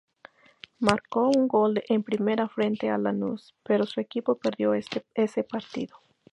Marcó un gol en Primera frente a Lanús, pero su equipo perdió ese partido.